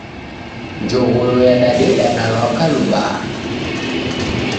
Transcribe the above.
Njogholo yadadeda na lwaka lubaha.